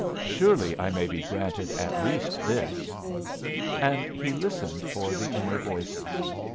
Surely I may granted at least this." And he listened for the inner voices.